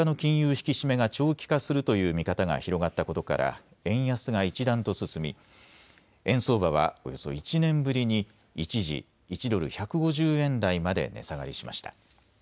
引き締めが長期化するという見方が広がったことから円安が一段と進み円相場はおよそ１年ぶりに一時、１ドル１５０円台まで値下がりしました。